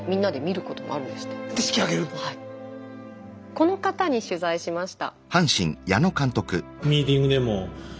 この方に取材しました。